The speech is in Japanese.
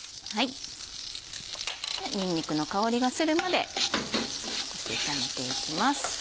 にんにくの香りがするまでこうして炒めていきます。